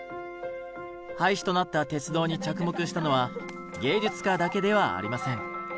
廃止となった鉄道に着目したのは芸術家だけではありません。